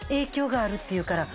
あるっていうから。